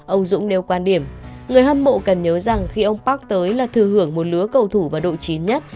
ông dũng nêu quan điểm người hâm mộ cần nhớ rằng khi ông park tới là thư hưởng một lứa cầu thủ và độ chín nhất